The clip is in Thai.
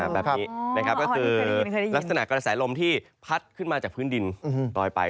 แบบนี้นะครับก็คือลักษณะกระแสลมที่พัดขึ้นมาจากพื้นดินลอยไป